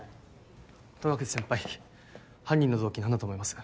戸隠先輩犯人の動機何だと思います？